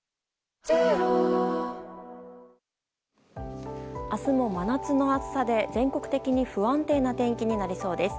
新しくなった明日も真夏の暑さで全国的に不安定な天気になりそうです。